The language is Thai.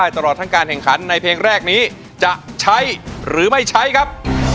ตลอดทั้งการแข่งขันในเพลงแรกนี้จะใช้หรือไม่ใช้ครับ